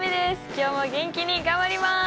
今日も元気に頑張ります。